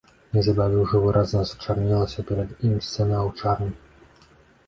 Неўзабаве ўжо выразна зачарнелася перад ім сцяна аўчарні.